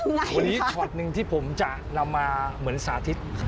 วันนี้ช็อตหนึ่งที่ผมจะนำมาเหมือนสาธิต